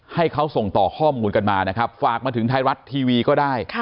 ให้เขาส่งต่อข้อมูลกันมานะครับฝากมาถึงไทยรัฐทีวีก็ได้